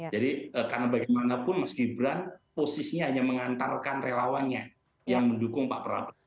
jadi karena bagaimanapun meski gibran posisinya hanya mengantarkan relawannya yang mendukung pak prabowo